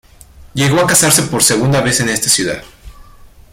Llegó a casarse por segunda vez en esta ciudad.